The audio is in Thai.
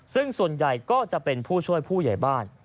ซึ่งส่วนใหญ่ก็จะเป็นผู้ช่วยผู้ใหญ่บ้าน